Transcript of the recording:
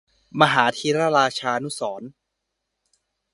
มหาธีรราชานุสรณ์